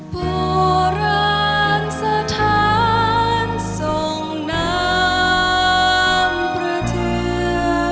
โปรราณสถานทรงน้ำประเทียม